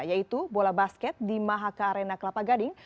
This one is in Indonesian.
yaitu bola basket di mahaka arena kelapa gading